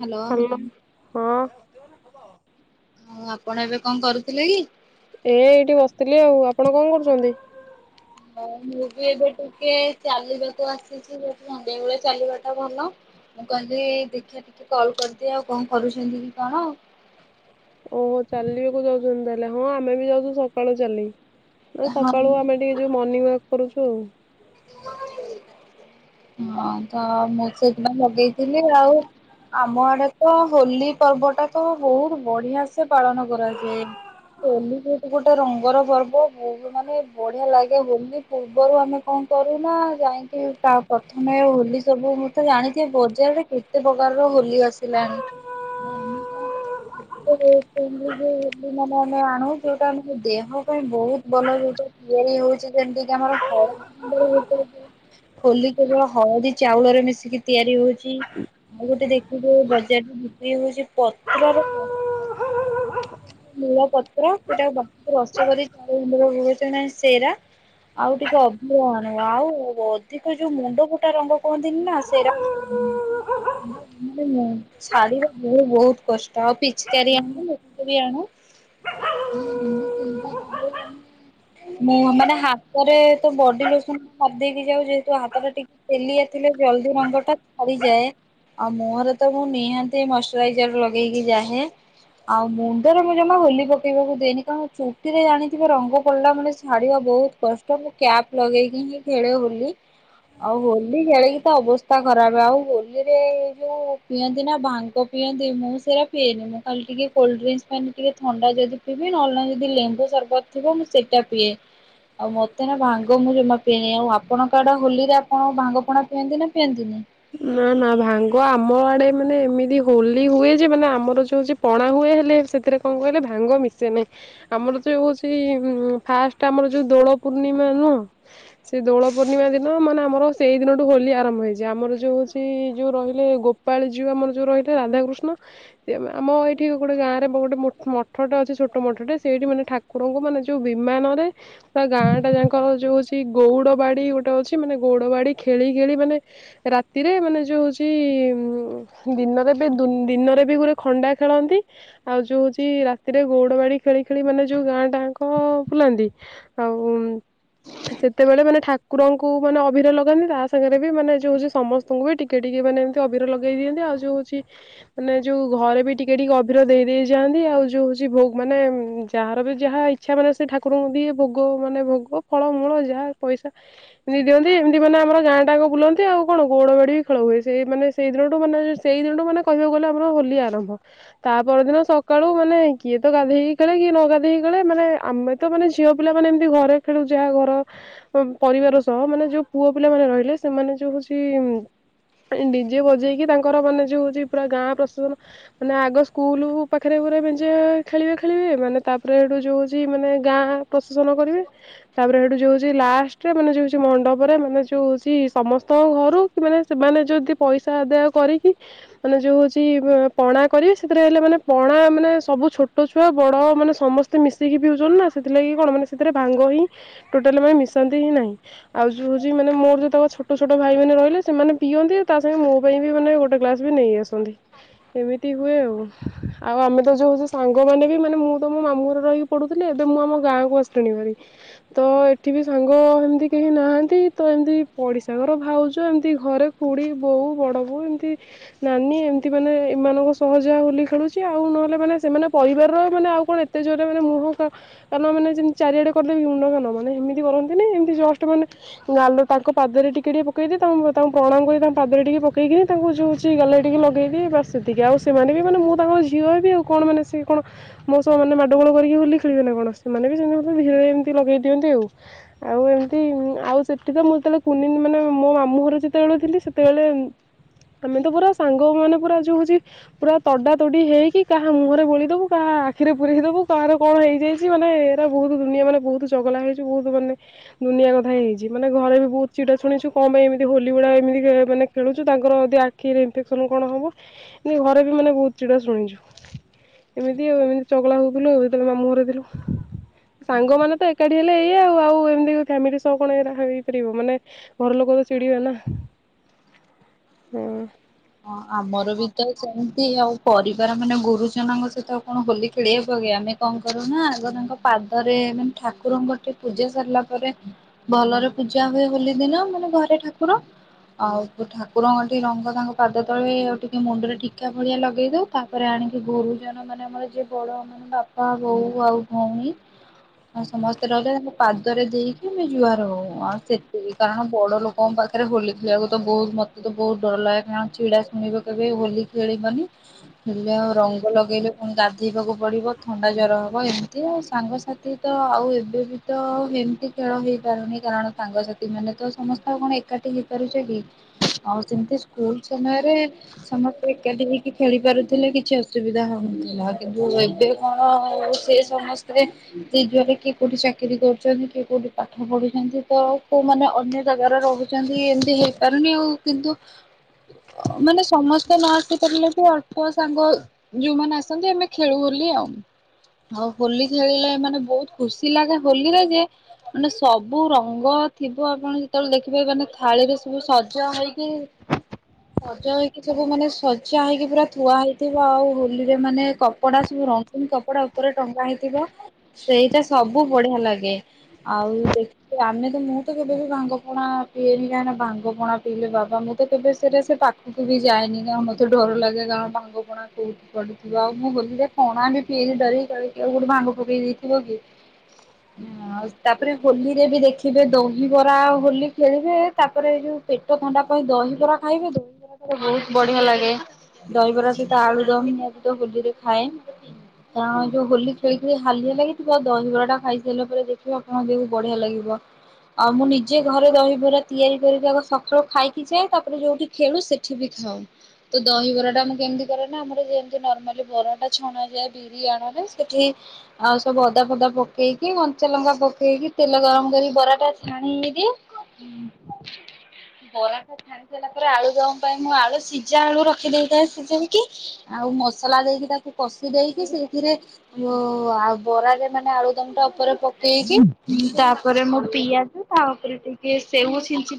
Hello hello ହଁ। ହଁ ଆପଣ ଏବେ କଣ କରୁଥିଲେ କି? ଏ ଏଇଠି ବସିଥିଲି ଆଉ ଆପଣ କଣ କରୁଚନ୍ତି? ହଁ ମୁଁ ବି ଏବେ ଟିକେ ଚାଲିବାକୁ ଆସିଛି ସଂଧ୍ୟା ଵେଳେ ଚାଲିବା ଟା ଭଲ। ମୁଁ କହିଲି ଦେଖିଆ ଟିକେ କଲ୍ କରିଦିଏ ଆଉ କଣ କରୁଚନ୍ତି କି କଣ। ଓହୋ ଚାଲିବାକୁ ଯାଉଚନ୍ତି ତାହେଲେ ହଁ ଆମେ ବି ଯାଉଛୁ ସକାଳୁ ଚାଲି ନା ହଁ ସକାଳୁ ଆମେ ଟିକେ ଯଉ ମନଣିଂ ୱର୍କ କରୁଛୁ ଆଉ। ହଁ ତ ମୁଁ ସେଇଥି ପାଇଁ ଲଗେଇଥିଲି ଆଉ ଆମ ଆଡେ ତ ହୋଲି ପର୍ବ ଟା ତ ବହୁତ ବଢିଆ ସେ ପାଳନ କରାଯାଏ। ହୋଲି ଯେହେତୁ ଗୋଟେ ରଙ୍ଗର ପର୍ବ ବହୁତ ମାନେ ବଢିଆ ଲାଗେ ହୋଲି ପୂର୍ବରୁ ଆମେ କ କରୁନା ଯାଇକି ପ୍ର ପ୍ରଥମେ ହୋଲି ସବୁ ମୁଁ ତ ଜାଣିଥିବେ ବଜାରରେ କେତେ ପ୍ରକାରର ହୋଲି ଆସିଲାଣି। [unintelligible] ଆଣୁ ଯୋଉଟା ଆମ ଦେହ ପାଇଁ ବହୁତ ଭଲ ଯୋଉଟା। ତିଆରି ହଉଛି ଯେମିତି ଆମର ହଳ [unintelligible] ହୋଲି କେବଳ ହଳଦୀ ଚାଉଳରେ ମିଶିକି ତିଆରି ହଉଛି। ମୁଁ ଗୋଟେ ଦେଖିଥିଲି ବଜାରରେ ବିକ୍ରି ହଉଛି ପତ୍ରର ନୀଳ ପତ୍ର ସେଟା [unintelligible] ସେରା। ଆଉ ଟିକେ ଅଭିର ଆଣିବୁ ଆଉ ଅଧିକ ଯଉ ମୁଣ୍ଡ ଫଟା ରଙ୍ଗ କୁହନ୍ତିନି ନା ସେଇରା [inaudible] ଛାଡ଼ିବା ବହୁତ କଷ୍ଟ ଆଉ ପିଚି୍କାରି ଆଣନ୍ତି। [unintelligible] ମୁଁ ମାନେ ହାତରେ ତ ବଡି ଲୋସନ ମାରିଦେଇେକି ଯାଉ ଯେହେତୁ ହାତଟା ଟି ତେଲିଆ ଥିଲେ ଜଲଦି ରଙ୍ଗ ଟା ଛାଡି ଯାଏ। ଆଉ ମୁହଁରେ ତ ମୁଁ ନିହାତି ମଶ୍ଚରାଇଜର ଲଗେଇକି ଯାହେ ଆଉ ମୁଁ ମୁଣ୍ଡରେ ମୁଁ ଜମା ହୋଲି ପକେଇବାକୁ ଦେଇନି କାରଣ ଚୁଟିରେ ଜାଣିଥିବେ ରଙ୍ଗ ପଡିଲା ମାନେ ଛାଡିବା ବହୁତ କଷ୍ଟ। ତ ମୁଁ କ୍ୟାପ ଲଗେଇକି ହିଁ ଖେଳେ ହୋଲି। ଆଉ ହୋଲି ଖେଳିକି ତ ଅବସ୍ଥା ଖରାପ ଆଉ ହୋଲିରେ ଏଇ ଯୋଉ ପିଅନ୍ତି ନା ଭାଙ୍ଗ ପିଅନ୍ତି ମୁଁ ସେରା ପିଏନି ମୁଁ ଖାଲି ଟିକେ କୋଲ୍ ଡ୍ରିଂସ ଏମିତି ରେ ଥଣ୍ଡା ଯଦି ପିଇିବି ନହଲେ ନାଇ ଯଦି ଲେମ୍ବୁ ସରବତ ଥିବ ମୁଁ ସେଟା ପିଏ। ଆଉ ମତେ ନା ଭାଙ୍ଗ ମୁଁ ଜମା ପିଏନି ଆଉ ଆପଣ କା ଆଡ଼େ ହୋଲିରେ ଆପଣ ଭାଙ୍ଗ ପଣା ପିଅନ୍ତି ନା ପିଅନ୍ତିନି? ନା ନା ଭାଙ୍ଗ ଆମ ଆଡେ ମାନେ ଏମିତି ହୋଲି ହୁଏ ଯେ ମାନେ ଆମର ଯ ହଉଛି ପଣା ହୁଏ ହେଲେ ସେଥିରେ କଣ କହିଲେ ଭାଙ୍ଗ ମିଶେ ନାହିଁ। ଆମର ଯୋଉ ହଉଛି ଫାଷ୍ଟ ଆମର ଯୋଉ ଦୋଳ ପୂର୍ଣ୍ଣିମା ନୁହ। ସେ ଦୋଳ ପୂର୍ଣ୍ଣିମା ଦିନ ମାନେ ଆମର ସେଇ ଦିନଠୁ ହୋଲି ଆରମ୍ଭ ହୋଇଯାଏ ଆମର ଯୋଉଛି ଯୋଉ ରହିଲେ ଗୋପାଳ ଝିଅ ଯୋଉ ଆମର ଯୋଉ ରହିଲେ ରାଧାକୃଷ୍ଣ। ସେ ଆମ ଏଇଠି ଗୋଟେ ଗାଁରେ ଗୋଟେ ମଠଟେ ଅଛି ଛୋଟ ମଠଟେ ସେଇଠି ମାନେ ଠା ଠାକୁରଙ୍କୁ ମାନେ ଯୋଉ ବିମାନରେ ତା ଗାଁ ଟା ଯାଙ୍କର ଯୋଉ ଅଛି ଗଉଡ ବାଡି ଗୋଟେ ଅଛି ମାନେ ଗଉଡ ବାଡି ଖେଳି ଖେଳି ମାନେ ରାତି ରାତିରେ ମାନେ ଯୋଉ ହଉଛି ଉ ଦିନରେ ବି ଦିନରେ ବି ଗୋଟେ ଖଣ୍ଡା ଖେଳନ୍ତି। ଆଉ ଯୋଉ ହଉଛି ରାତିରେ ଗଉଡ ବାଡି ଖେଳି ଖେଳି ମାନେ ଯୋଉ ଗାଁ ଟାଙ୍କ ବୁଲାନ୍ତି। ଆଉ ସେତେବେଳେ ମାନେ ଠାକୁରଙ୍କୁ ମାନେ ଅଭିର ଲଗାନ୍ତି ତା ସାଙ୍ଗରେ ବି ମାନେ ଯୋଉ ହଉଛି ସମସ୍ତେ ସ୍ତଙ୍କୁ ବି ଟିକେ ଟିକେ ମାନେ ଏମିତି ଅବିର ଲଗେଇ ଦିଅନ୍ତି ଆଉ ଯ ହଉଛି ମାନେ ଯୋଉ ଘରେ ବି ଟିକେ ଟିକେ ଅବିର ଦେଇ ଦେଇ ଯାଆନ୍ତି ଆଉ ଯୋଉ ହଉଛି ମାନେ ଯାହାର ବି ଯାହା ଇ ଇଚ୍ଛା ମାନେ ସେ ଠାକୁରଙ୍କୁ ଦିଏ ଭୋଗ ମାନେ ଭୋଗ ଫଳମୂଳ ଯାହା ପଇସା ନି ଦିଅନ୍ତି ଏମିତି ମାନେ ଆମ ଗାଁଟାକ ବୁଲନ୍ତି ଆଉ କଣ। ଗୌଡ଼ ବାଡି ବି ଖେଳ ହୁଏ ସେଇ ମାନେ ସେଇ ଦିନଠୁ ମାନେ ସେଇ ଦିନଠୁ ମାନେ କହିବାକୁ ଗଲେ ଆମର ହୋଲି ଆରମ୍ଭ। ତା ପରଦିନ ସକାଳୁ ମାନେ କିଏ ତ ଗାଧେଇକି ଖେ କିଏ ନ ଗାଧେଇକି ଖେଳେ ମାନେ ଆମେ ତ ମାନେ ଝିଅ ପିଲା ମାନେ ଏମିତି ଘରେ ଖେଳୁଛି ଯାହା ଘର ପରିବାର ସହ ମାନେ ଯୋଉ ପୁଅ ପିଲା ମାନେ ରହିଲେ ସେମାନେ ଯୋଉ ହଉଛି ଡିଜେ ବଜେଇକି ତାଙ୍କର ମାନେ ଯୋଉ ହଉଛି ପୁରା ଗାଁ ପ୍ରଶେସନ ମାନେ ଆଗ ସ୍କୁଲ ପାଖରେ ପୁରା ମେଞ୍ଚ ଖେଳିବେ ଖେଳିବେ ମାନେ ତାପରେ ଏଠୁ ଯୋଉ ହଉଛି ମାନେ ଗାଁ ପ୍ରଶେସନ କରିବେ ତାପରେ ସେଠୁ ଯୋଉ ହଉଛି ଲାଷ୍ଟରେ ମାନେ ଯଉଛି ମଣ୍ଡପରେ ମାନେ ଯୋଉ ହଉଛି ସମ ଘରୁ କି ମାନେ ସେମାନେ ଯଦି ପଇସା ଆଦାୟ କରିକି ମାନେ ଯୋଉ ହଉଛି ପଣା କରିବ ସେଥିରେ ହେଲେ ମାନେ ପଣା ମାନେ ସବୁ ଛୋଟ ଛୁଆ ବଡ ମାନେ ସମସ୍ତେ ମିଶେଇକି ପିଉଚନ ନା ସେଥିଲାଗି କଣ ମାନେ ସେଥିରେ ଭାଙ୍ଗ ହିଁ ଟୋଟାଲେ ମାନେ ମିଶାନ୍ତି ହିଁ ନାହିଁ ଆଉ ଯୋଉ ହଉଚି ମାନେ ମୋରୋ ଯଉତକ ଛୋ ଛୋଟ ଛୋଟ ଭାଇ ମାନେ ରହିଲେ ସେମାନେ ପିଅନ୍ତି ତା ସାଙ୍ଗେ ମୋ ପାଇଁ ବି ମାନେ ଗୋଟେ ଗ୍ଲାସ ବି ନେଇ ଆସନ୍ତି। ଏମିତି ହୁଏ ଆଉ ଆଉ ଆମେ ତ ଯୋଉ ହଉଜି ସାଙ୍ଗମାନେ ମାନେ ମୁଁ ତ ମୋ ମାମୁ ଘରେ ରହିକି ପଢୁଥିଲି ଏବେ ମୁଁ ଆମ ଗାଁକୁ ଆସିଲିଣି ଭାରି। ତ ଏଠି ବି ସାଙ୍ଗ ଏମିତି କେହି ନାହାନ୍ତି ତ ଏମିତି ପଡି ଶା ଘର ଭାଉଜ ଏମିତି ଘରେ ଖୁଡି ବୋଉ ବଡ ବୋଉ ଏମିତି ନାନୀ ଏମିତି ମାନେ ଏମାନଙ୍କ ସହ ଯାହା ହୋଲି ଖେଳୁଚି ଆଉ ନହେଲେ ମାନେ ସେମାନେ ପରିବାରର ମାନେ ଆଉ କଣ ତ ଯୋଉଟା ମାନେ ମୁହଁ କାରଣ ମାନେ ଯେମିତି ଚାରିଆଡେ କଲେ ବି ମୁଣ୍ଡ କାନ ମାନେ ହେମିତି କରନ୍ତିନି ଏମିତି ଜଷ୍ଟ ମାନେ ଗାଲ ଟାକୁ ପାଦରେ ଟି ଟିକେ ଟିକେ ପକେଇଦିଏ ତାଙ୍କୁ ତାଙ୍କୁ ପ୍ରଣାମ କରି ତାଙ୍କ ପାଦରେ ଟିକେ ପକେଇ ଦିଏ ତାଙ୍କୁ ଯଉ ସେ ଗାଲରେ ଟିକେ ଲଗେଇଦିଏ ବାସ୍ ସେତିକି ଆଉ ସେମାନେ ବି ମାନେ ମୁଁ ତାଙ୍କର ଝିଅ ବି ଆଉ କଣ ମାନେ ସେ କଣ ମୋ ସହ ମାନେ ମାଡଗୋଳ କରିକି ହୋଲି ଖେଳିବେ ନା କଣ ସେମାନେ ବି ସେମିତି ମତେ ଧୀରେ ଏମିତି ଲଗେଇ ଦିଅନ୍ତି ଆଉ। ଆଉ ଏମିତି ଆଉ ସେଠି ତ ମୁଁ ଏତେବେଳେ କୁନି ମାନେ ମୋ ମାମୁଁ ଘର ଯେତେବେଳେ ଥିଲି ସେତେବେଳେ ଆମେ ତ ପୁରା ସାଙ୍ଗ ମାନେ ପୁରା ଯୋଉ ହଉଚି ପୁରା ତଡା ତୋଡି ହେଇକି କାହା ମୁହଁରେ ବୋଳିଦବୁ କାହା ଆଖିରେ ପୁରେଇ ଦବୁ କାହାର କଣ ହେଇଯେ ଛି ମାନେ ଏରା ବହୁତ ଦୁନିଆ ମାନେ ବହୁତ ଚଗଲା ହେଇଚୁ ବହୁତୁ ମାନେ ଦୁନିଆ କଥା ହେଇଛି ମାନେ ଘରେ ବି ବହୁତ ଛି ଟା ଶୁଣିଚୁ କଁ ପାଇଁ ଏମିତି ହୋଲି ଭୁଡ଼ା ଏମିତି ଏ ମାନେ ଖେଳୁଚୁ ତାଙ୍କର ଯଦି ଆଖିରେ ଇନଫେକ୍ସନ୍ କଣ ହବ। ନାଇଁ ଘରେ ବି ମାନେ ବହୁତ ଚିଡା ଶୁଣିଛୁ। ଏମିତି ଆଉ ଏମିତି ଚଗଲା ହଉଥୁଲୁ ଯେତେବେଳେ ମାମୁଁ ଘରେ ଥିଲୁ। ସାଙ୍ଗ ମାନେ ତ ଏକାଠି ହେଲେ ଏଇଆ ଆଉ ଆଉ ଏମିତି ଫ୍ୟାମିଲି ସହ କଣ ଏରା ହେଇପାରିବ ମାନେ। ଘର ଲୋକ ତ ଚିଡିବେ ନା ହୁଁ। ହଁ ଆମର ବି ତ ସେମତି ଆଉ ପରିବାର ମାନେ ଗୁରୁଜନଙ୍କ ସହିତ ଆଉ କଣ ହୋଲି ଖେଳି ହେବ କି ଆମେ କଣ କରୁ ନା ଆଗ ତାଙ୍କ ପାଦରେ ମାନେ ଠାକୁରଙ୍କର ଠେ ପୂଜା ସାରିଲା ପରେ ଭଲରେ ପୂଜା ହୁଏ ହୋଲି ଦିନ ମାନେ ଘରେ ଠାକୁର ଆଉ ତ ଠାକୁରଙ୍କଠି ରଙ୍ଗ ତାଙ୍କ ପାଦ ତଳେ ଆଉ ଟିକେ ମୁଣ୍ଡରେ ଟିକା ଭଳିଆ ଲଗେଇଦଉ ତାପରେ ଆଣିକି ଗୁରୁଜନ ମାନେ ଆମର ଯିଏ ବଡ଼ ବାପା ବୋଉ ଆଉ ଭଉଣୀ। ଆଉ ସମସ୍ତେ ରହିଲେ ପାଦରେ ଦେଇକି ଆମେ ଜୁଆର ହଉ ଆଉ ସେତିକି କାରଣ ବଡ଼ ଲୋକଙ୍କ ପାଖେରେ ହୋଲି ଖେଳିବାକୁ ତ ବହୁତ ମୋତେ ତ ବହୁତ ଡର ଲାଗେ କାରଣ ଛିଡ଼ା ଶୁଣିବ କେବେ ହୋଲି ଖେଳିବନି। ହେଲେ ଆଉ ରଙ୍ଗ ଲଗେଇଲେ ଫୁଣି ଗାଧେଇବାକୁ ପଡିବ ଥଣ୍ଡା ଜର ହବ ଏମିତି ଆଉ ସାଙ୍ଗସାଥି ତ ଆଉ ଏବେ ବି ତ ଏମତି ଖେଳ ହେଇପାରୁନି କାରଣ ସାଙ୍ଗସାଥି ମାନେ ତ ସମସ୍ତେ ଆଉ କଣ ଏକାଠି ହେଇପାରୁଚେ କି ଆଉ ସେମିତି ସ୍କୁଲ ସମୟରେ ସମସ୍ତେ ଏକାଠି ହେଇକି ଖେଳି ପାରୁଥିଲେ କିଛି ଅସୁବିଧା ହଉନଥିଲା କିନ୍ତୁ ଏବେ କଣ [inaudible] ସେ ସମସ୍ତେବି ଯେ ଯୁଆରେ କିଏ କୋଉଠି ଚାକିରି କରୁଛନ୍ତି କିଏ କୋଉଠି ପାଠ ପଢୁଚନ୍ତି ତ କୋଉ ମାନେ ଅନ୍ୟ ଜାଗାରେ ରହୁ ଚନ୍ତି ଏମିତି ହେଇପାରୁନି ଆଉ କିନ୍ତୁ ମାନେ ସମସ୍ତେ ନ ଆସିପାରିଲେ ବି ଅଳ୍ପ ସାଙ୍ଗ ଯୋଉମାନେ ଆସନ୍ତି ଆମେ ଖେଳୁ ହୋଲି ଆଉ। ଆଉ ହୋଲି ଖେଳିଲା ମାନେ ବହୁତ ଖୁସି ଲାଗେ ହୋଲିରେ ଯେ ମାନେ ସବୁ ରଙ୍ଗ ଥିବ ଆପଣ ଯେତେବେଳେ ଦେଖିବେ ମାନେ ଥାଳିରେ ସବୁ ସଜ ହେଇକି ସଜ ହେଇକି ଥିବୁ ମାନେ ସଜା ହେଇକି ପୁରା ଥୁଆ ହେଇଥିବ ଆଉ ହୋଲିରେ ମାନେ କପଡା ସବୁ ର କପଡା ଉପରେ ଟଙ୍ଗା ହେଇଥିବ ସେଇଟା ସବୁ ବଢିଆ ଲାଗେ ଆଉ ଦେଖ ଆମେ ତ ମୁଁ ତ କେବେ ବି ଭାଙ୍ଗ ପଣା ପିଏନି କାହିଁକି ନା ଭାଙ୍ଗପଣା ପିଇଲେ ବାବା ମୁଁ ତ କେବେ ସେଟା ସେ ପାଖକୁ ବି ଯାଏନି ନା ମୋତେ ଡର ଲାଗେ କାଁ ଭାଙ୍ଗପଣା କୋଉଠି କୁଆଡେ ଆଉ ମୁଁ କଲିି ପଣା ବି ପିଇକ ଡରିବି କିଏ ଗୋଟେ ଭାଙ୍ଗ ପକେଇ ଦେଇଥିବ କି? ହୁଁ ଆଉ ତାପରେ ହୋଲିରେ ବି ଦେଖିବେ ଦହିବରା ହୋଲି ଖେଳିବେ ତାପରେ ଏ ଯୋଉ ପେ ଟ ଥଣ୍ଡା ପାଇଁ ଦହି ପରା ଖାଇବେ ଦହିବରା ପା ବହୁତ ବଢିଆ ଲାଗେ। ଦହିବରା ସହିତ ଆଳୁ ଦମ୍ ମୁଁ ବି ତ ହୋଲିରେ ଖାଏ। କାରଣ ଯୋଉ ହୋଲି ଖେଳି ଖେଳି ହାଲିଆ ଲାଗିଥିବ ଦହିବରା ଟା ଖାଇସାରିଲା ପରେ ଦେଖିବା ହଁ ଦେଖିବୁ ବଢିଆ ଲାଗିବ। ଆଉ ମୁଁ ନିଜେ ଘରେ ଦହିବରା ତିଆରି କରିକି ତାକୁ ସକାଳୁ ଖାଇକି ଯାଏ। ତାକୁ ଯୋଉଠି ଖେଳୁ ସେଠି ବି ଖାଉ। ତ ଦହି ବରାଟା ମୁଁ କେମିତି କରେ ନା ଆମର ଯେମତି ନର୍ମାଲି ବରାଟା ଛଣା ଯାଏ। ବି ରି ଆନରେ ସେଠି ଆଉ ସବୁ ଅଦା ଫଦା ପକେଇକି କଞ୍ଚାଲଙ୍କା ପକେଇକି ତେଲ ଗରମ କରିକି ବରା ଟା ଛାଣି ହେ ଦିଏ। ହଁ ବରା ତ ଛାଣି ଦେଲା ପରେ ଆଳୁ ଦମ ପାଇଁ ମୁଁ ଆଳୁ ସିଝା ଆଳୁ ରଖିଦେଇଥାଏ ସିଝାଇ କି ଆଉ ମସଲା ଦେଇକି ତାକୁ କଷି ଦେଇକି ସେଇଥିରେ ଆଉ ବରାରେ ମାନେ ଆଳୁ ଦମ ଟା ଉପରେ ପକେଇକି ତାପରେ ମୋ ପିଆଜ ତାପରେ ଟିକେ ସେଉ ଛିଞ୍ଚିଲି।